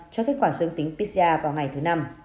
cho kết quả xương tính pcr vào ngày thứ năm